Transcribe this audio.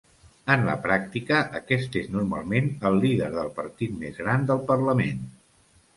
En la pràctica, aquest és normalment el líder del partit més gran del Parlament.